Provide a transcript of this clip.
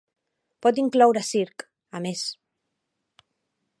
Pot incloure circ, a més.